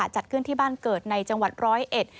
จัดขึ้นที่บ้านเกิดในจังหวัดร้อยเอ็ด